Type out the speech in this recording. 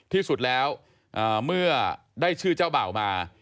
ที่สุดแล้วเมื่อได้ชื่อเจ้าบ่าวมา